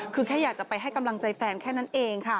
คือแค่อยากจะไปให้กำลังใจแฟนแค่นั้นเองค่ะ